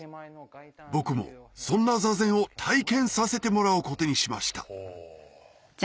僕もそんな座禅を体験させてもらうことにしました